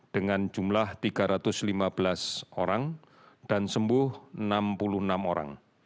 dengan jumlah tiga ratus lima belas orang dan sembuh enam puluh enam orang